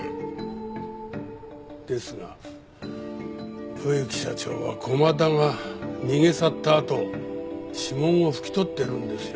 ですが冬木社長は駒田が逃げ去ったあと指紋を拭き取ってるんですよ。